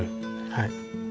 はい。